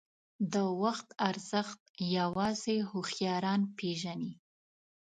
• د وخت ارزښت یوازې هوښیاران پېژني.